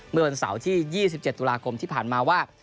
เมื่อวันเสาร์ที่๒๗ตุลาคมที่ผ่านมาว่า